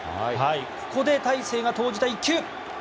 ここで大勢が投じた１球。